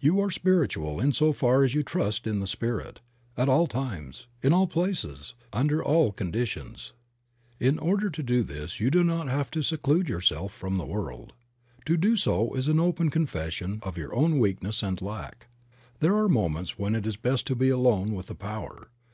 You are spiritual in so far as you trust in the Spirit, at all times, in all places, under all con ditions. In order to do this you do not have to seclude yourself from the world. To do so is an open confession of your own weakness and lack. There are moments when it is best to be alone with the Power.